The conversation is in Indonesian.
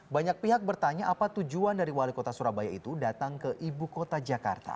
banyak pihak bertanya apa tujuan dari wali kota surabaya itu datang ke ibu kota jakarta